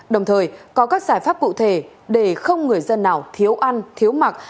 đồng thời có các giải pháp cụ thể để không người dân nào thiếu ăn thiếu mặc